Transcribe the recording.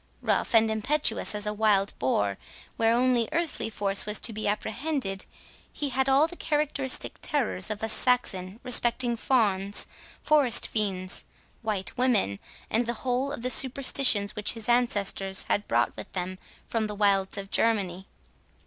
Rough and impetuous as a wild boar, where only earthly force was to be apprehended, he had all the characteristic terrors of a Saxon respecting fawns, forest fiends, white women, and the whole of the superstitions which his ancestors had brought with them from the wilds of Germany.